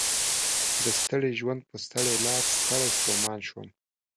د ستړي ژوند په ستړي لار ستړی ستومان شوم